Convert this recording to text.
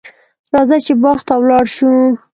راځه چې باغ ته ولاړ شو.